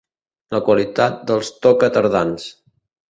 La qualitat dels toca-tardans.